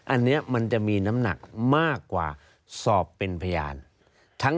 อันนี้มันจะมีน้ำหนักมากกว่าสอบเป็นพยาน